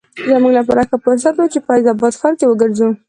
زموږ لپاره ښه فرصت و چې فیض اباد ښار کې وګرځو.